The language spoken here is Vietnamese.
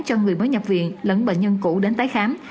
cho người mới nhập viện lẫn bệnh nhân cũ đến tái khám